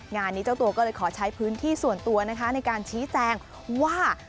งานนี้เจ้าตัวก็เลยขอใช้พื้นที่ส่วนตัวนะคะในการชี้แจงว่า